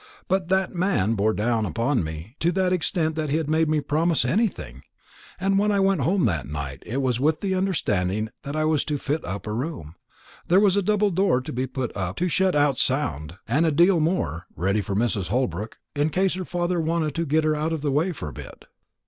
But that man bore down upon me to that extent that he made me promise anything; and when I went home that night, it was with the understanding that I was to fit up a room there was a double door to be put up to shut out sound, and a deal more ready for Mrs. Holbrook, in case her father wanted to get her out of the way for a bit."